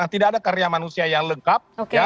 karena tidak ada karya manusia yang lengkap